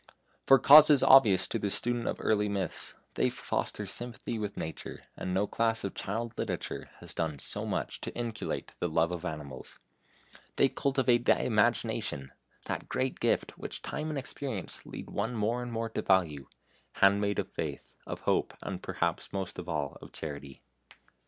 For causes obvious to the student of early myths, they foster sympathy with nature, and no class of child literature has done so much to inculcate the love of animals. They cultivate the Imagination, that great gift which time and experience lead one more and more to value handmaid of Faith, of Hope, and, perhaps most of all, of Charity!